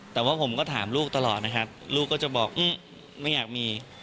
แต่ว่าผมก็ถามลูกตลอดนะครับลูกก็จะบอกไม่อยากมี